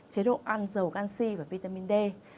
chế độ ăn dầu canxi và vitamin d